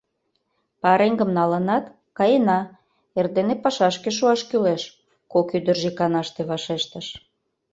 — Пареҥгым налынат, каена, эрдене пашашке шуаш кӱлеш, — кок ӱдыржӧ иканаште вашештыш.